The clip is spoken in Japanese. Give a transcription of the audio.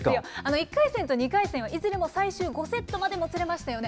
１回戦と２回戦はいずれも最終５セットまでもつれましたよね。